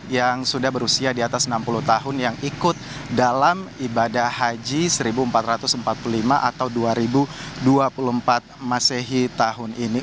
yang sudah berusia di atas enam puluh tahun yang ikut dalam ibadah haji seribu empat ratus empat puluh lima atau dua ribu dua puluh empat masehi tahun ini